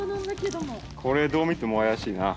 これどう見ても怪しいな。